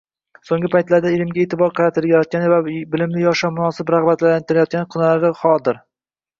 Soʻnggi vaqtlarda ilmga eʼtibor qaratilayotgani va bilimli yoshlar munosib ragʻbatlantirilayotgani quvonarli holdir.